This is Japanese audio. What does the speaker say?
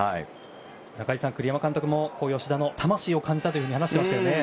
中居さん栗山監督も吉田の魂を感じたと話していましたね。